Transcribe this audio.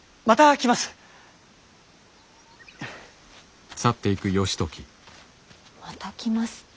また来ますって。